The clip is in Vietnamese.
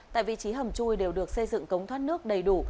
tại vị trí hầm chui đều được xây dựng cống thoát nước đầy đủ